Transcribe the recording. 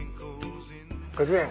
５０円。